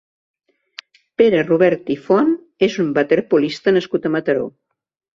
Pere Robert i Font és un waterpolista nascut a Mataró.